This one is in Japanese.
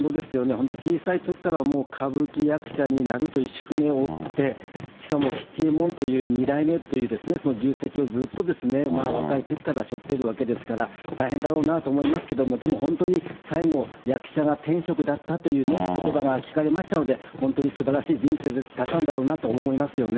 本当、小さいときからもう歌舞伎役者になるという宿命を負って、しかも吉右衛門という、二代目というその重責をずっと若いときからしょってるわけですから、大変だろうなと思いますけども、でも本当に最後、役者が天職だったというね、ことばが聞かれましたので、本当にすばらしい人生だったんだろうなと思いますよね。